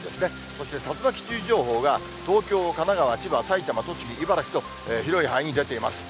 そして竜巻注意情報が東京、神奈川、千葉、埼玉、栃木、茨城と広い範囲に出ています。